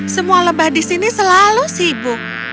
semua lebah di sini selalu sibuk